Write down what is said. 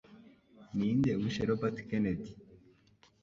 Ninde Wishe Robert Kennedy?